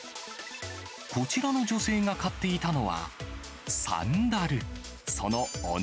こちらの女性が買っていたのは、サンダル。